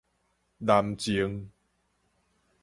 南靖